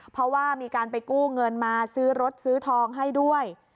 เพราะว่ามีการไปกู้เงินมาซื้อรถซื้อทองให้ด้วย